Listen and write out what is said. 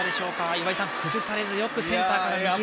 岩井さん、崩されずよくセンターから右へ。